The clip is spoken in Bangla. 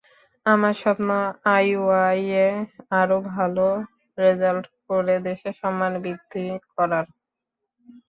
আমার স্বপ্ন আইওআইয়ে আরও ভালো রেজাল্ট করে দেশের সম্মান বৃদ্ধি করার।